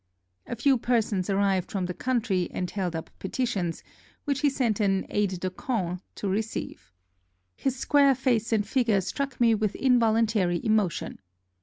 A few persons arrived from the country and held up petitions, which he sent an aide de camp to re ceive. His square face and figure struck me with invol untary emotion.